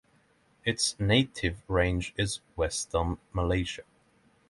Its native range is Western Malesia.